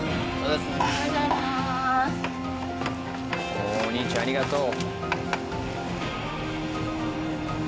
おおお兄ちゃんありがとう。